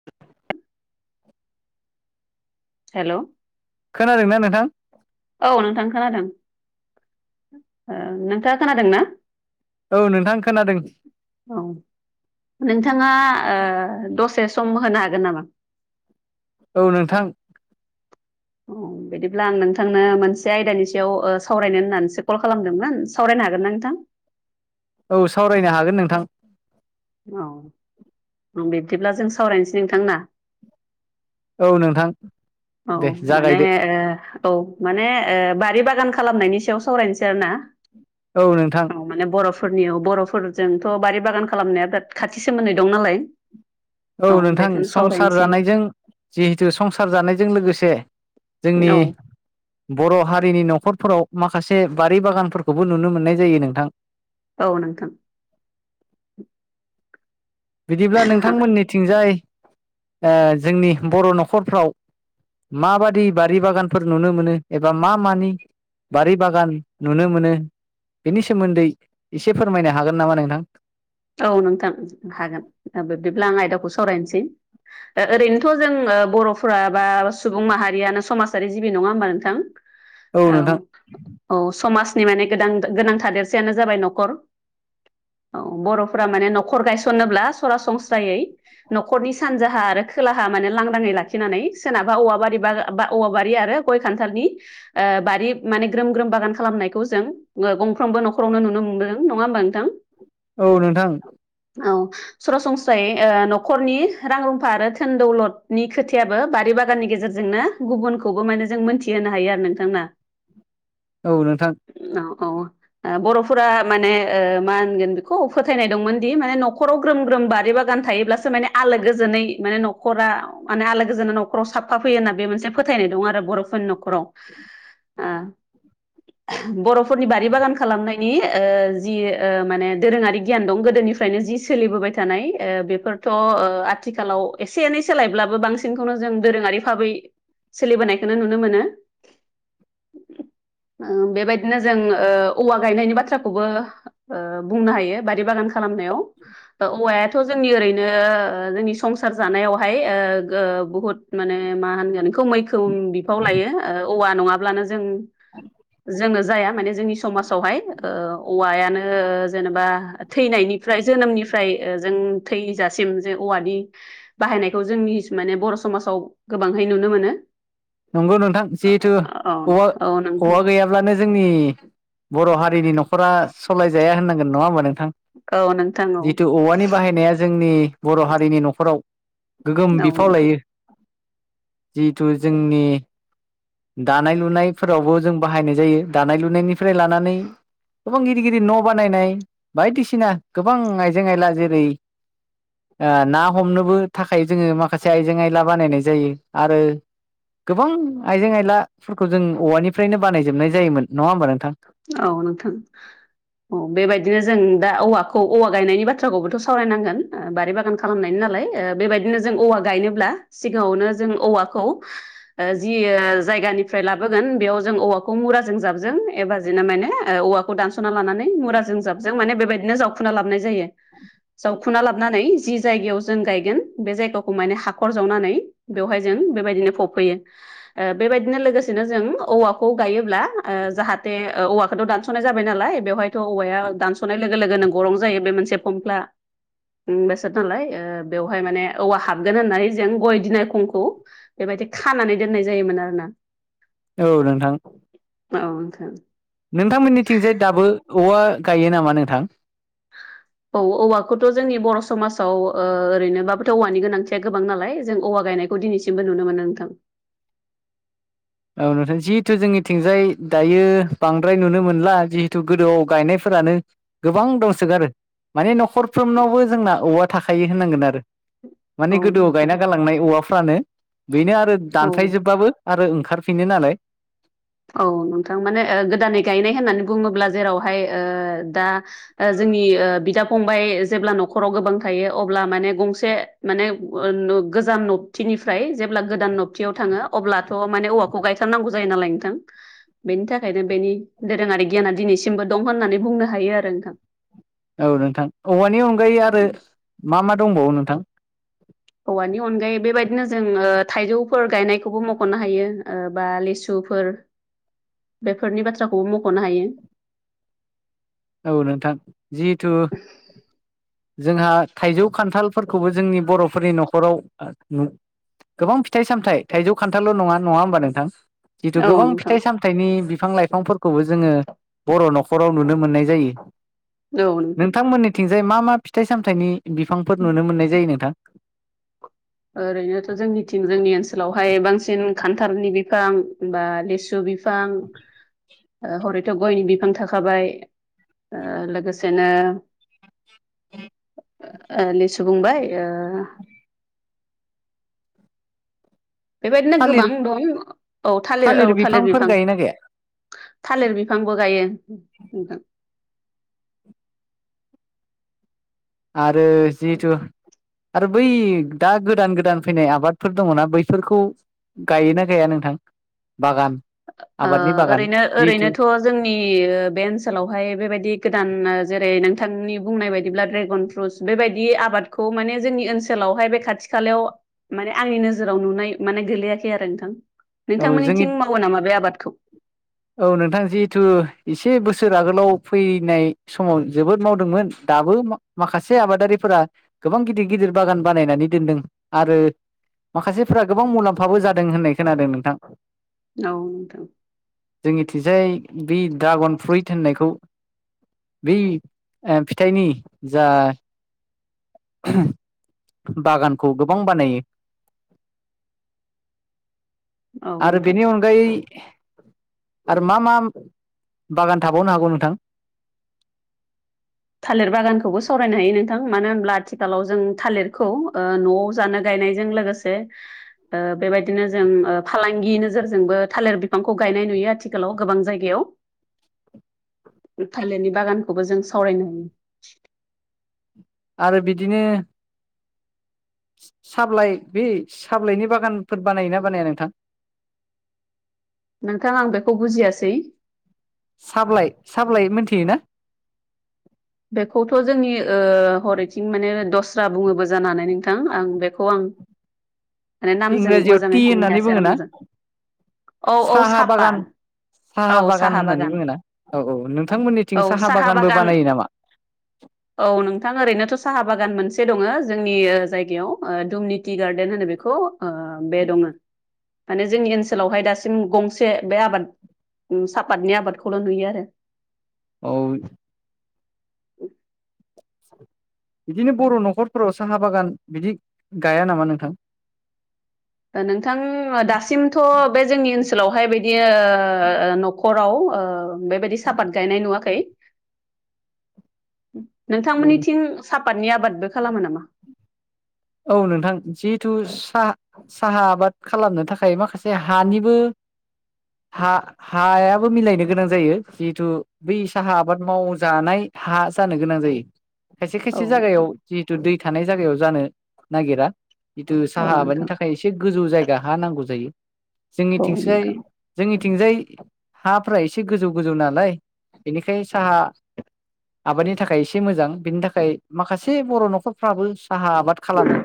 [inaudible] हेल'। खोनादोंना नोंथां? औ नोंथां खोनादों ओ नोंथाङा खोनादों ना? औ नोंथां खोनादों। ओं। नोंथाङा ओ दसे सम होनो हागोन नामा? औ नोंथां। अ बिदिब्ला आं नोंथांनो मोनसे आयदानि सायाव सावरायनो होननानैसो कल खालामदोंमोन। सावरायनो हागोन ना नोंथां? औ सावरायनो हागोन नोंथां। औ अ बिब्दिब्ला जों सावरायनोसै नोंथां ना? औ नोंथां। औ दे माने जागायदो ओ औ माने बारि बागान खालामनायनि सायाव सावरायनोसै आरो ना। औ नोंथां औ माने बर फोरनियाव बर'फोरजोंथ' बारि बागान खालामनाया बिराद खाथि सोमोन्दै दं नालाय औ नोंथां बेखौनो संसार सावरायनोसै जानायजों जिहेथु संसार जानायजों लोगोसे जोंनि औ बर' हारिनि न'खरफोराव माखासे बारि बागानफोरखौबो नुनो मोननाय जायो नोंथां। औ नोंथां। बिदिब्ला ओ नोंथांमोननिथिंजाय ओ जोंनि बर' न'खरफ्राव माबादि बारि बागानफोर नुनो मोनो एबा मा मानि बारि बागान नुनो मोनो बेनि सोमोन्दै एसे फोरमायनो हागोन नामा नोंथां? औ नोंथां हागोन दा बिब्दिब्ला आं आयदाखौ सावरायनोसै। ओ-ओरैनोथ' जों बर' फ्रा बा सुबुं माहारियानो समाजारि जिबि नङा होमबा नोंथां औ। औ समाजनि माने गोदान गोनां थादेरसेयानो जाबाय न'खर। औ बर'फोरा माने न'खर गायसनोब्ला सरासनस्रायै न'खरनि सानजाहा आरो खोलाहा माने लांदाङै लाखिनानै सोरनाबा औवाबारि बा औवाबारि आरो गय खान्थालनि बारि माने ग्रोम ग्रोम बागान खालामनायखौ जों गंफ्रोमबो न'खरावनो नुनो मोनबोदों नङा होमबा नोंथां? औ नोंथां। औ। सरासनस्रायै न'खरनि रां रुफा आरो थोन दौलदनि खोथायाबो बारि बागाननि गेजेरजोंनो गुबुनखौबो माने जों मोनथि होनो हायो आरो नोंथां ना? औ नोंथां। ओम औ औ बर'फोरा माने ओ मा होनगोन बे खौ फोथायनाय दंमोन दि माने नखराव ग्रोम ग्रोम बारि बागान थायोब्लासो माने आलो गोजोनै माने न' न'खरा माने आलो गोजोना न'खराव साफा फैयो होन्ना बे मोनसे फोथायनाय दं आरो बर'फोरनि न'खराव [inaudible] ओ बर'फोरनि बारि बागान खालामनायनि ओ जि माने दोरोङारि गियान दं गोदोनिफ्रायनो जि सोलिबोबाय थानाय ओ बेफोरथ' ओ आथिखालाव एसे एनै सोलायब्लाबो बांसिनखौनो जों दोरोङारि भाबै सोलिबोनायखौनो नुनो मोनो। बेबायदिनो जों औवा गायनायनि बाथ्राखौबो ओ बुंनो हायो बारि बागान खालामनायाव औवायाथ' जोंनि ओरैनो जोंनि संसार जानायावहाय ओ गो बुहुद माने मा होनगोन बखौ मैखोम बिफाव लायो औवा नङाब्लानो जों जोङो जाया माने जोंनि समाजावहाय ओ औवायानो जेनेबा थैनायनिफ्राय जोनोमनिफ्राय जों थैजासिम जे औवानि बाहायनायखौ जोंनि माने बर' समाजाव गोबांहै नुनो मोनो। नंगौ नोंथां जिहेथु औ औवा औ नोंथां औवा गैया ब्लानो जोंनि बर' हारिनि न'खरा सलायजाया होननांगोन नङा होमबा नोंथां? औ नोंथां औ जितु औवानि बाहायनाया जोंनि बर' हारिनि न'खराव गोगोम औ बिफाव नोंथां लायो जिहेथु जोंनि दानाय लुनायफोरावबो जों बाहायनाय जायो दानाय लुनायनिफ्राय लानानै गोबां गिदिर गिदिर न' बानायनाय बायदिसिना गोबां आइजें आयला जेरै ना हमनोबो थाखाय जोङो माखासे आयजें आयला बानायनाय जायो आरो, गोबां आइजें आइलाफोरखौ जों औवानिफ्रायनो बानायजोबनाय जायोमोन नङा होमबा नोंथां? औ नोंथां। औ बेबायदिनो जों दा औवाखौ औवा गायनायनि बाथ्राखौबोथ' सावरायनांगोन। बारि बागान खालामनायनि नालाय बेबायदिनो जों औवा गायनोब्ला सिगाङावनो जों औवाखौ जि जायगानिफ्राय लाबोगोन बेयाव जों औवाखौ मुराजों जाबजों एबा बिदिनो माने औवाखौ दानस'ना लानानै मुराजों जाबजों माने बेबायदिनो जावखुना लाबोनाय जायो। जावखुना लाबोनानै जि जायगायाव जों गायगोन बे जायगाखौ माने हाखर जावनानै बेवहाय जों बेबायदिनो फबफैयो। बेबायदिनो लोगोसेनो जों औवाखौ गायोब्ला जाहा थे औवाखौथ' दानस'नाय जाबाय नालाय बेवहायथ' औवाया दानस'नाय लोगो लोगोनो गरं जायो बे मोनसे फमफ्ला बेसाद नालाय बेवहाय माने औवा हाबगोन होननानै जों गय दिनाय खंखौ बेबायदि खानानै दोननाय जायोमोन आरोना। औ नोंथां। औ नोंथां। नोंथांमोननिथिंजाय दाबो औवा गायो नामा नोंथां? [inaudible] औ औवाखौथ' जोंनि बर' समाजाव ओरैनोबाबोथ' औवानि गोनांथिया गोबां नालाय जों औवा गायनाय खौ दिनैसिमबो नुनो मोनो नोंथां। औ नोंथां जिहेथु जोंनिथिंजाय दायो बांद्राय नुनो मोनला जिहेथु गोदोआव गायनायफोरानो, गोबां दंसोगारो माने न'खरफ्रोमनावबो जोंना औवा थाखायो होननांगोन आरो। माने औ गोदोआव नोंथां गायना गालांनाय औवाफ्रानो बेनो आरो औ दानस्रायजोबबाबो आरो ओंखार फिनो नालाय,, औ नोंथां माने गोदानै गायनाय होननानै बुङोब्ला जेरावहाय ओ दा, जोंनि बिदा फंबाय जेब्ला न'खराव गोबां थायो अब्ला माने गंसे, माने गोजान नबथिनिफ्राय जेब्ला गोदान नब थियाव थाङो अब्लाथ' माने औवाखौ गायथारनांगौ जायो नालाय नोंथां। बेनि थाखायनो बेनि दोरोङारि गियाना दिनैसिमबो दं होननानै बुंनो हायो आरो नोंथां। औ नोंथां औवानि अनगायै आरो मा मा दंबावो नोंथां? औवानि अनगायै बेबायदिनो जों थाइजौफोर गायनायखौबो मख'नो हायो बा लिसुफोर बेफोरनि बाथ्राखौबो मख'नो हायो। औ नोंथां जिहेथु, जोंहा थाइजौ खान्थालफोरखौबो जोंनि बर'फोरनि न'खराव, गोबां फिथाइ सामथाय थाइजौ खान्थाल' नङा नङा होमबा नोंथां? जिथु औ गोबां नोंथां फिथाइ सामथाइनि बिफां लाइफांफोरखौबो जोङो बर' न'खराव नुनो मोननाय जायो औ नोंथां नोंथांमोननिथिंजाय मा मा फिथाइ सामथाइनि बिफांफोर नुनो मोननाय जायो नोंथां। ओरैनोथ' जोंनिथिं जोंनि ओनसोलावहाय बांसिन खान्थालनि बिफां बा लेसु बि फां हरैथ' गयनि बिफां थाखाबाय ओ लोगोसेनो, लिसु बुंबाय ओ, बेबायदिनो गोबां थालिर दं औ थालिर औ थालिर बिफांफोर बिफां। गायोना गाया थालिर बिफांबो गायो। आरो जिहेथु, आरो बै दा गोदान गोदान फैनाय आबादफोर दङना बैफोरखौ, गायोना गाया नोंथां बागान। आबादनि बागान ओरैनो जिहेथु ओरैनोथ' जोंनि ओ बे ओनसोलावहाय बेबायदि गोदान जेरै नोंथांनि बुंनाय बायदिब्ला ड्रेगन फ्रुटस बेबायदि आबादखौ माने जोंनि ओनसोलावहाय बे खाथि खालायाव ओ माने आंनि नोजोराव नुनाय माने गोलैआखै आरो नोंथां औ जोंनि नोंथांमोनिथिं मावो नामा बे आबादखौ औ नोंथां जिहिथु एसे बोसोर आगोलाव फैनाय समाव जोबोद मावदोंमोन दाबो माखासे आबादारिफोरा गोबां गिदिर गिदिर बागान बानायनानै दोनदों आरो माखासेफोरा गोबां मुलाम्फाबो जादों होननाय खोनादों नोंथां औ नोंथां। जोंनिथिंजाय बे ड्रागन फ्रुइट होननायखौ। बै फिथाइनि जा, बागानखौ गोबां बानायो। औ आरो नोंथां बेनि अन, गायै आरो मा मा बागान थाबावनो हागौ नोंथां? थालिर बागानखौबो सावरायनो हायो नोंथां मानो होनब्ला आथिखालाव जों थालिरखौ न'आव जानो गायनायजों लोगोसे, जे ओ ओ बेबायदिनो जों ओ फालांगि नोजोरजोंबो थालिर बिफांखौ गायनाय नुयो आथिखालाव गोबां जायगायाव ओ थाइलिरनि बागानखौबो जों सावरायनो हायो आरो बिदिनो साबिलाइ बे साबिलाइनि बागानफोर बानायोना बानाया नोंथां नोंथां आं बेखौ बुजिआसै साब्लाइ साब्लाइ मोनथियोना बेखौथ' जोंनि ओ ह'रैथिं माने दस्रा बुङोबो जानो हानाय नोंथां आं बेखौ आं माने नामजों इंराजियाव टि मोजाङै हमनो होननानै हायासै आरो बुङोना मावजों औ औ साहा बागान साफाद साहा बागान होननानै बुङो ना औ औ नोंथांमोनिथिं औ साहा बागानबो बागान बानायो नामा औ नोंथां ओरैनोथ' साहा बागान मोनसे दङो जोंनि ओ जायगायाव ओ दुमनि टि गार्डेन होनो बेखौ बे दङो माने जोंनि ओनसोलावहाय दासिम गंसे बे आबाद ओ सापातनि आबादखौल' नुयो आरो औ [unintelligible] इदिनो बर' न'खरफोराव साहा बागान बिदि गाया नामा नोंथां नोंथां ओ दासिमथ' बे जोंनि ओनसोलावहाय बिदि ओ नखर खराव ओ बेबायदि सापात गायनाय नुवाखै नोंथांमोनिथिं सापातनि आबादबो खालामो नामा औ नोंथां जिहेथु साहा साहा आबाद खालामनो थाखाय माखासे हानिबो हा‌ हायाबो मिलायनो गोनां जायो जिहिथु बै साहा आबाद मावजानाय हा जानो गोनां जायो खायसे औ खायसे जागायाव जिहेथु दै थानाय जागायाव जानो नागिरा जिथु साहा आबादनि नोंथां थाखाय एसे गोजौ जायगा हा नांगौ जायो औ जोंनिथिंसैय नोंथां औ नोंथां जोंनिथिंजाय हाफ्रा एसे गोजौ गोजौ नालाय बेनिखाय साहा आबादनि थाखाय एसे मोजां बिनि थाखाय माखासे बर' न'खरफ्राबो साहा आबाद खालामो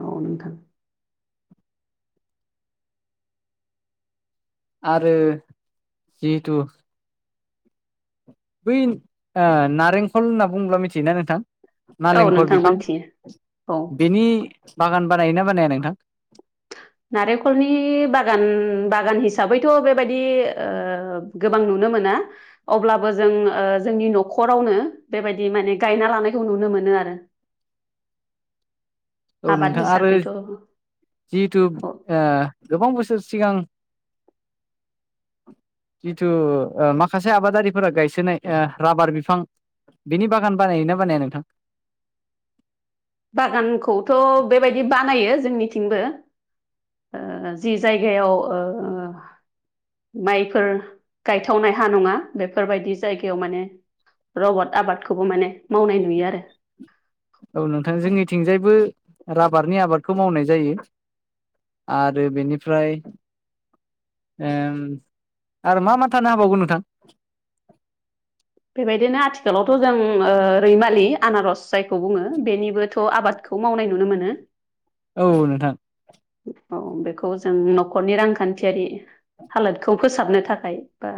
औ नोंथां आरो जिहिथु बै ओ नारेंखल होनना बुङोब्ला मिथियोना नोंथां औ नालेंखर नोंथां बिफां मोनथियो औ बेनि बागान बानायोना बानाया नोंथां नारेंखलनि बागान बागान हिसाबैथ' बेबादि ओ गोबां नुनो मोना अब्लाबो जों ओ जोंनि न'खरावनो बेबादि माने गायना लानायखौ नुनो मोनो आरो आबाद हिसाबैथ' जिहिथु ओ गोबां बोसोर सिगां [inaudible] जिथु ओ माखासे आबादारिफोरा गायसोनाय ओ राबार बिफां बिनि बागान बानायोना बानाया नोंथां। बागानखौथ' बेबायदि बानायो जोंनिथिंबो ओ जि जायगायाव ओ माइफोर गायथावनाय हा नङा बेफोरबायदि जायगायाव माने रबट आबादखौबो माने मावनाय नुयो आरो औ नोंथां जोंनिथिंजायबो राबारनि आबादखौ मावनाय जायो आरो बेनिफ्राय ओ आरो मा मा थानो हाबावगौ नोंथां बेबायदिनो आथिखालावथ' जों ओ रैमालि आनारस जायखौ बुङो बेनिबोथ' आबादखौ बेखौ मावनाय नुनो मोनो औ नोंथां औ बेखौ जों न'खरनि रांखान्थिआरि हालोदखौ फोसाबनो थाखाय बा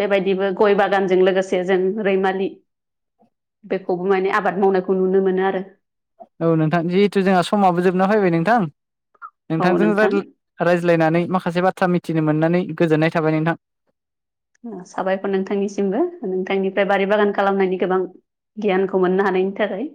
बेबायदिबो गय बागानजों लोगोसे जों रैमालि बेखौबो माने आबाद मावनायखौ नुनो मोनो आरो औ नोंथां जिहेथु जोंहा समाबो जोबना फैबाय नोंथां औ नोंथांजों दा नोंथां रायज्लायनानै माखासे बाथ्रा मिथिनो मोननानै गोजोननाय थाबाय नोंथां। साबायखर नोंथांनिसिमबो नोंथांनिफ्राय बारि बागान खालामनायनि गोबां गियानखौ मोननो हानायनि थाखाय